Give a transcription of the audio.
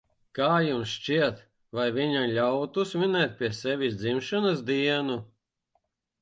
Kā jums šķiet, vai viņa ļautu svinēt pie sevis dzimšanas dienu?